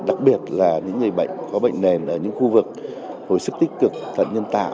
đặc biệt là những người bệnh có bệnh nền ở những khu vực hồi sức tích cực thận nhân tạo